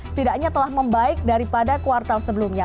setidaknya telah membaik daripada kuartal sebelumnya